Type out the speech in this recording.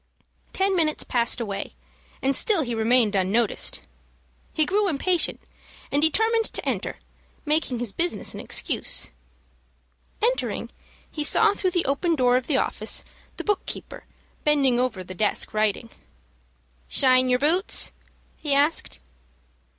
Ten minutes passed away, and still he remained unnoticed. He grew impatient, and determined to enter, making his business an excuse. Entering, he saw through the open door of the office, the book keeper, bending over the desk writing. "Shine yer boots?" he asked.